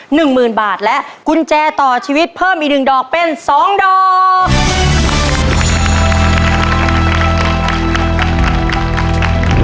หนึ่งหมื่นบาทและกุญแจต่อชีวิตเพิ่มอีกหนึ่งดอกเป็นสองดอก